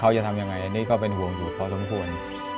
เขาจะทำยังไงก็เป็นห่วงพูดพอสมควร